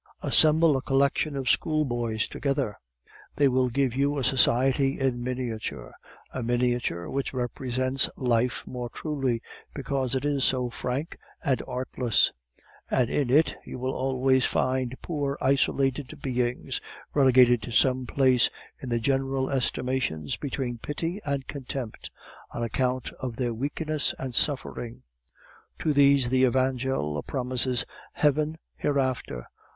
Assemble a collection of school boys together. That will give you a society in miniature, a miniature which represents life more truly, because it is so frank and artless; and in it you will always find poor isolated beings, relegated to some place in the general estimations between pity and contempt, on account of their weakness and suffering. To these the Evangel promises heaven hereafter.